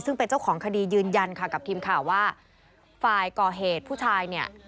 ซึ่งเป็นเจ้าของคดียืนยันค่ะกับทีมข่าวว่าฝ่ายก่อเหตุผู้ชายเนี่ย